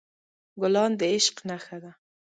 ګلان د عشق نښه ده.